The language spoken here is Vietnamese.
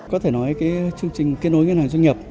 có thể nói cái chương trình kết nối ngân hàng doanh nghiệp